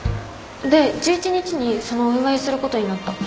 で１１日にそのお祝いすることになった。